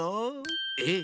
えっ？